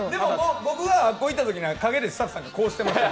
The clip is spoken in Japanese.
僕があそこ行ったときにもうスタッフさんがこうしてましたよ。